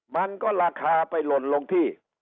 มันก็ราคาไปหล่นลงที่